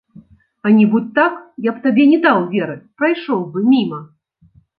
А не будзь так, я б табе не даў веры, прайшоў бы міма.